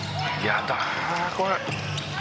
やだこれ」